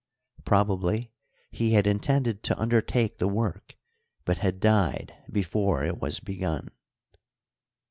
Prob ably he had intended to undertake the work, but had died before it was begun.